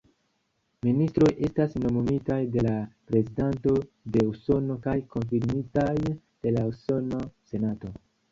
Ministroj estas nomumitaj de la Prezidanto de Usono kaj konfirmitaj de la Usona Senato.